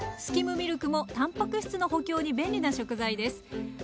スキムミルクもたんぱく質の補強に便利な食材です。